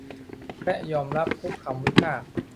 และยอมรับทุกคำวิพากษ์